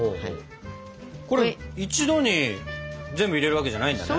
これ一度に全部入れるわけじゃないんだね。